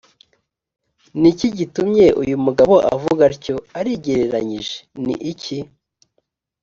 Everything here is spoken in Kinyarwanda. ni iki gitumye uyu avuga atyo arigereranyije ni iki‽